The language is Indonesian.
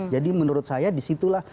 jadi menurut saya disitulah